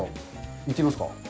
行ってみますか。